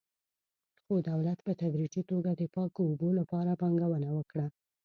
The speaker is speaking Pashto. خو دولت په تدریجي توګه د پاکو اوبو لپاره پانګونه وکړه.